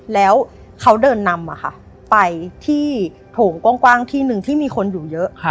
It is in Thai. แล้วเขาเดินนำไปที่โถงกว้างที่หนึ่งที่มีคนอยู่เยอะ